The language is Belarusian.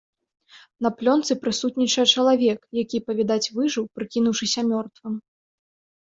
На плёнцы прысутнічае чалавек, які, па-відаць, выжыў, прыкінуўшыся мёртвым.